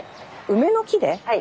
梅の木で？